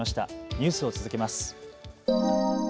ニュースを続けます。